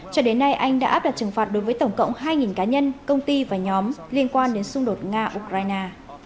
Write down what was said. cho đến nay anh đã áp đặt trừng phạt đối với tổng cộng hai cá nhân công ty và nhóm liên quan đến xung đột nga ukraine